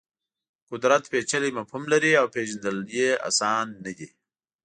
قدرت پېچلی مفهوم لري او پېژندل یې اسان نه دي.